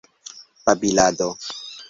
babilado